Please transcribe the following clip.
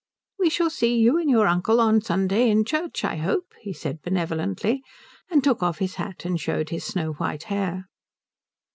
"We shall see you and your uncle on Sunday in church, I hope," he said benevolently, and took off his hat and showed his snow white hair.